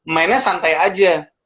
mainnya santai aja